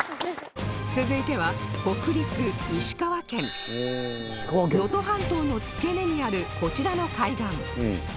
続いては北陸石川県能登半島の付け根にあるこちらの海岸